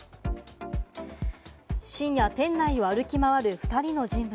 深夜、店内を歩き回る２人の人物。